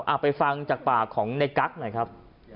เอาไปฟังจากปากของในกั๊กหน่อยครับ